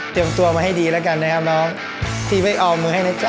ตัวมาให้ดีแล้วกันนะครับน้องพี่ไม่เอามือให้นะจ๊